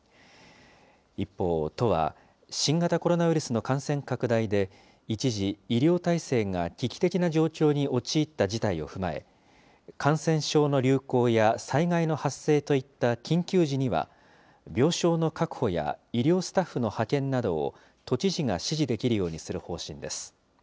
一方、都は新型コロナウイルスの感染拡大で、一時、医療体制が危機的な状況に陥った事態を踏まえ、感染症の流行や災害の発生といった緊急時には、病床の確保や医療スタッフの派遣などを都知事が指示できるようにする方針です。